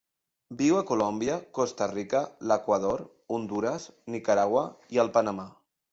Viu a Colòmbia, Costa Rica, l'Equador, Hondures, Nicaragua i el Panamà.